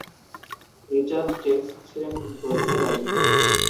Richard James ছিলেন গ্রন্থাগারিক।